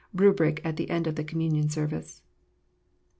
Rubric at the end of the Communion Service.